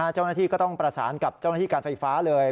เจ้าหน้าที่ก็ต้องประสานกับเจ้าหน้าที่การไฟฟ้าเลย